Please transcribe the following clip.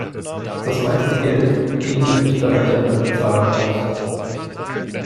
Das meiste Geld geben die Österreicher beim Bezahlen aus.